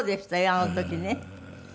あの時ね。